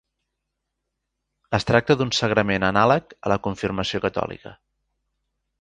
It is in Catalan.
Es tracta d'un sagrament anàleg a la confirmació catòlica.